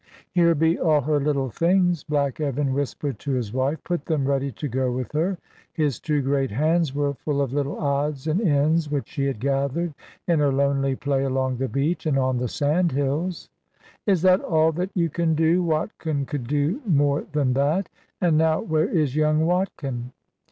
"Here be all her little things," Black Evan whispered to his wife; "put them ready to go with her." His two great hands were full of little odds and ends which she had gathered in her lonely play along the beach, and on the sandhills. "Is that all that you can do? Watkin could do more than that. And now where is young Watkin?"